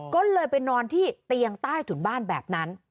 ก็เลยไปนอนที่เตียงใต้ถุนบ้านแบบนั้น